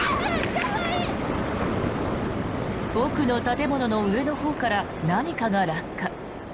奥の建物の上のほうから何かが落下。